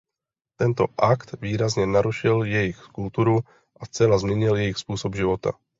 Tento akt výrazně narušil jejich kulturu a zcela změnil jejich způsob života.